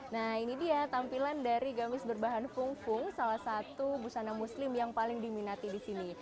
nah ini dia tampilan dari gamis berbahan fungfung salah satu busana muslim yang paling diminati di sini